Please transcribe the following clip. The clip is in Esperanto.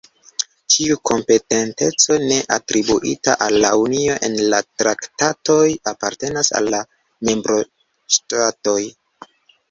Ĉiu kompetenteco ne atribuita al la Unio en la Traktatoj apartenas al la membroŝtatoj.